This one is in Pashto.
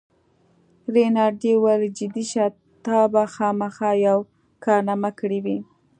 رینالډي وویل: جدي شه، تا به خامخا یوه کارنامه کړې وي.